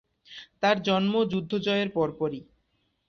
তার জন্ম যুদ্ধ জয়ের পরপরই।